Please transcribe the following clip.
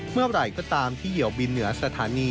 เมื่อไหร่ก็ตามที่เหี่ยวบินเหนือสถานี